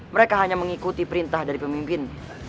mereka hanya mengikuti perintah dari pemimpin